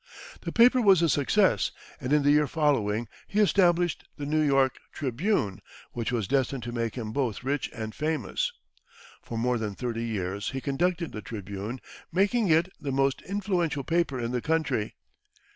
The paper was a success, and in the year following he established the New York "Tribune," which was destined to make him both rich and famous. For more than thirty years he conducted the "Tribune," making it the most influential paper in the country.